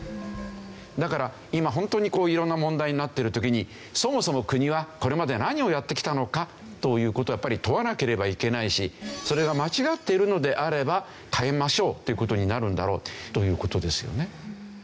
だから今本当に色んな問題になっている時にそもそも国はこれまで何をやってきたのかという事をやっぱり問わなければいけないしそれが間違っているのであれば変えましょうという事になるんだろうという事ですよね。